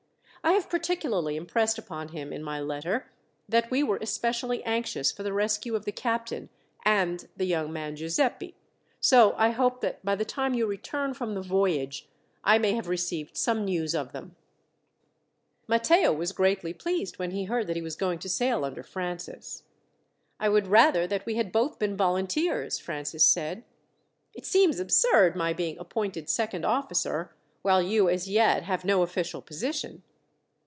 I have particularly impressed upon him, in my letter, that we were especially anxious for the rescue of the captain, and the young man Giuseppi, so I hope that by the time you return from the voyage, I may have received some news of them." Matteo was greatly pleased when he heard that he was going to sail under Francis. "I would rather that we had both been volunteers," Francis said. "It seems absurd my being appointed second officer, while you as yet have no official position."